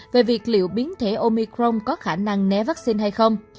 về việc liệu biến thể omicron có khả năng né vaccine hay không